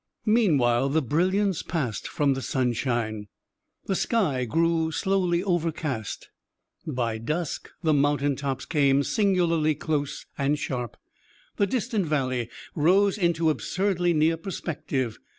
Meanwhile the brilliance passed from the sunshine, the sky grew slowly overcast; by dusk the mountain tops came singularly close and sharp; the distant valley rose into absurdly near perspective.